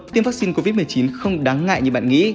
tiêm vaccine covid một mươi chín không đáng ngại như bạn nghĩ